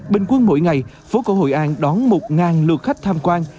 bình quân mỗi ngày phố cổ hội an đón một lượt khách tham quan